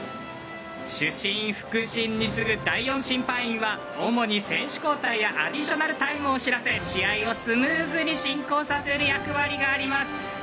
主審、副審に次ぐ第４審判員は主に選手交代やアディショナルタイムを知らせ試合をスムーズに進行させる役割があります。